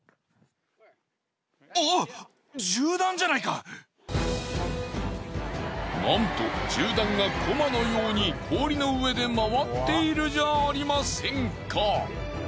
するとなんと銃弾がコマのように氷の上で回っているじゃありませんか。